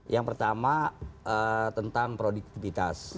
yang pertama tentang produktivitas